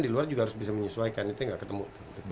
di luar juga harus bisa menyesuaikan itu yang nggak ketemu